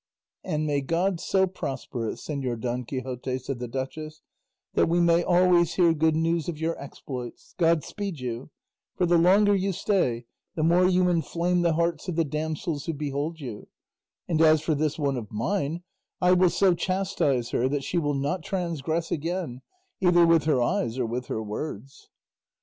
"And may God so prosper it, Señor Don Quixote," said the duchess, "that we may always hear good news of your exploits; God speed you; for the longer you stay, the more you inflame the hearts of the damsels who behold you; and as for this one of mine, I will so chastise her that she will not transgress again, either with her eyes or with her words."